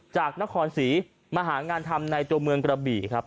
จากนครศรีมาหางานทำในตัวเมืองกระบี่ครับ